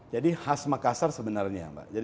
jadi khas makassar sebenarnya